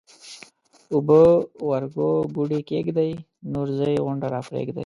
اوبه ورګو ګوډي کښېږدئ ـ نورې ځئ غونډه راپرېږدئ